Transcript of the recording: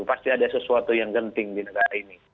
pasti ada sesuatu yang genting di negara ini